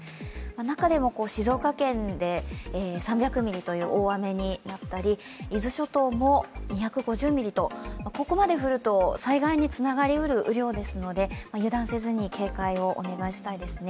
中でも静岡県で３００ミリという大雨になったり、伊豆諸島も２５０ミリと、ここまで降ると災害につながりうる雨量ですので油断せずに警戒をお願いしたいですね。